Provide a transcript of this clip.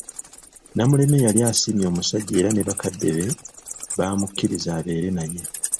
Namuleme yali asiimye omusajja era ne bakadde be baamukkiriza abeere naye.